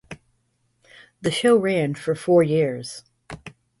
The show ran for four years.